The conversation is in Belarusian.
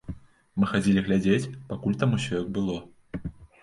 Мы хадзілі глядзець, пакуль там усё як было.